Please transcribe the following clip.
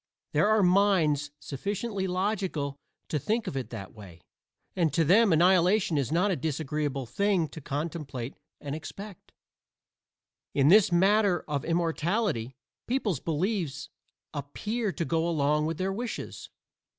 There are minds sufficiently logical to think of it that way, and to them annihilation is not a disagreeable thing to contemplate and expect. In this matter of immortality, people's beliefs appear to go along with their wishes.